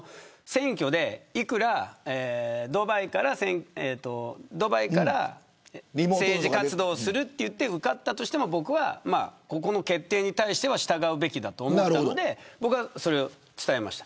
選挙でいくらドバイから政治活動をすると言って受かったとしてもこの決定には従うべきだと思ったのでそれを伝えました。